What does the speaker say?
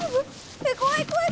怖い怖い！